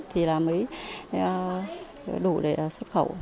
rồi mới đủ để xuất khẩu